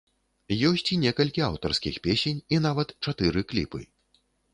Ёсць і некалькі аўтарскіх песень і нават чатыры кліпы.